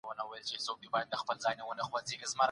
املا د ژبي په زده کړه کي ډېره مرسته کوي.